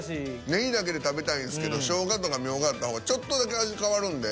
ネギだけで食べたいんですけどショウガとかミョウガあった方がちょっとだけ味変わるんで。